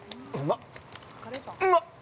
うまっ。